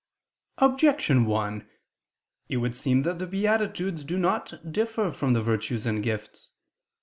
Objection 1: It would seem that the beatitudes do not differ from the virtues and gifts.